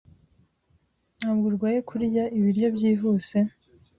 Ntabwo urwaye kurya ibiryo byihuse?